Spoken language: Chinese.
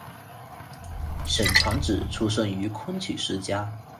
沈传芷出生于昆曲世家。